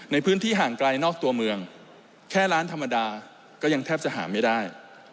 ในพื้นที่ห่างไกลนอกตัวเมืองแค่ร้านธรรมดาก็ยังแทบจะหาไม่ได้